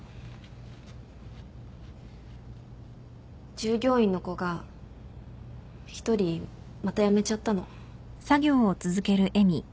従業員の子が１人また辞めちゃったの。